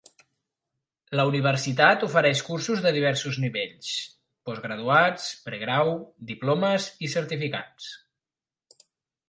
La universitat ofereix cursos de diversos nivells: postgraduats, pregrau, diplomes i certificats.